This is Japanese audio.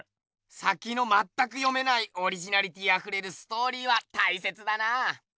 さきのまったく読めないオリジナリティーあふれるストーリーはたいせつだなぁ。